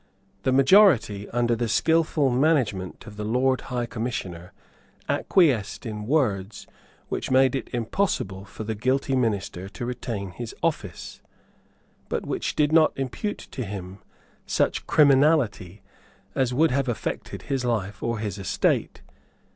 The majority, under the skilful management of the Lord High Commissioner, acquiesced in words which made it impossible for the guilty minister to retain his office, but which did not impute to him such criminality as would have affected his life or his estate.